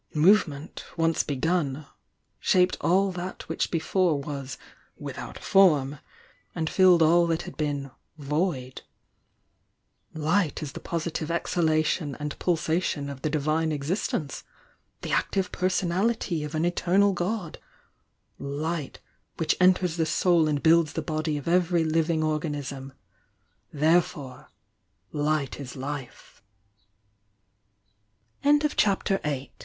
Movement, once begun, shaped all that which be fore was 'without form' and filled all that had been 'void.' Light is the positive exhalation and pulsa tion of the Divine Existence— the Active Personality of an Eternal God; — Light, which enters the soul and builds the body of every living organism, — therefor